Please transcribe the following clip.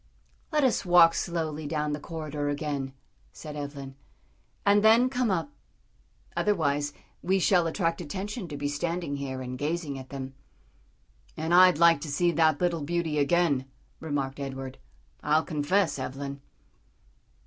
"Let us walk slowly down the corridor again," said Evelyn, "and then come up; otherwise we shall attract attention to be standing here and gazing at them." "And I'd like to see that little beauty again," remarked Edward, "I'll confess, Evelyn."